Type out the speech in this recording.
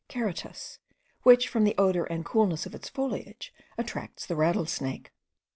karatas, which from the odour and coolness of its foliage attracts the rattlesnake.